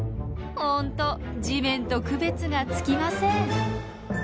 ほんと地面と区別がつきません。